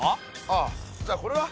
あじゃあこれは？